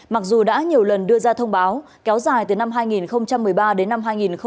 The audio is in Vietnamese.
mặc dù đã nhiều lần đưa ra thông báo kéo dài từ năm hai nghìn một mươi ba đến năm hai nghìn một mươi chín